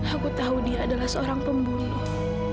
aku tahu dia adalah seorang pembunuh